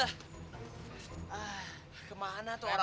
ah kemana tuh orang